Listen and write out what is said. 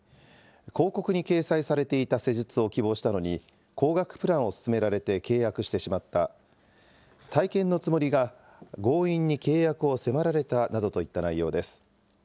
広告に掲載されていた施術を希望したのに、高額プランを勧められて契約してしまった、体験のつもりが強引に契約を迫られたなどといった内容です。